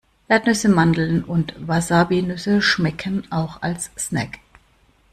Erdnüsse, Mandeln und Wasabinüsse schmecken auch als Snack.